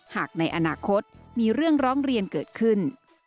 หากในอนาคตมีเรื่องร้องเรียนเกิดขึ้น